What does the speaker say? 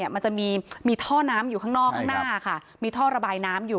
มันจะมีท่อน้ำอยู่ข้างนอกข้างหน้าค่ะมีท่อระบายน้ำอยู่